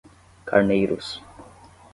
Carneiros